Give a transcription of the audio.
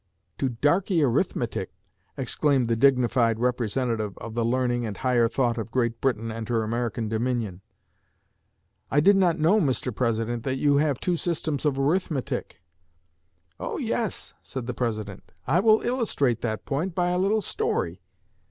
'To darkey arithmetic!' exclaimed the dignified representative of the learning and higher thought of Great Britain and her American Dominion. 'I did not know, Mr. President, that you have two systems of arithmetic' 'Oh, yes,' said the President; 'I will illustrate that point by a little story.